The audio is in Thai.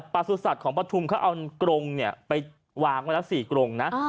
ประสุทธิ์ศัตริย์ของประทุมเขาเอากรงเนี่ยไปวางมาแล้วสี่กรงนะอ่า